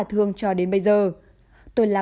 thương cho đến bây giờ tôi là